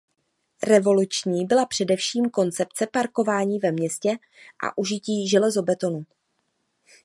Revoluční byla především koncepce parkování ve městě a užití železobetonu.